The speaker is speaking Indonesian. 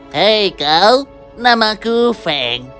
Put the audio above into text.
hei kau namaku feng